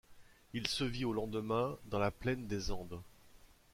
Il se vit au lendemain, dans la plaine des Andes.